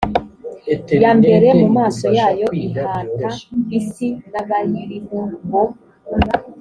ya mbere mu maso yayo ihata isi n abayirimo ngo